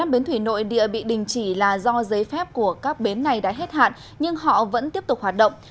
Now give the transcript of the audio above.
một mươi bến thủy nội địa bị đình chỉ là do giấy phép của các bến này đã hết hạn nhưng họ vẫn tiếp tục hoạt động